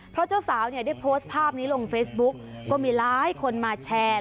เพราะเจ้าสาวเนี่ยได้โพสต์ภาพนี้ลงเฟซบุ๊กก็มีหลายคนมาแชร์